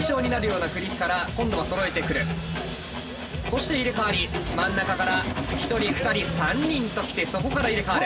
そして入れ代わり真ん中から１人２人３人と来てそこから入れ代わる。